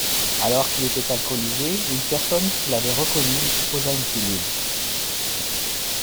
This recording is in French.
Alors qu'il était alcoolisé, une personne qui l'avait reconnu lui proposa une pilule.